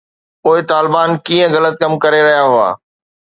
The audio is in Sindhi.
پوءِ طالبان ڪيئن غلط ڪم ڪري رهيا هئا؟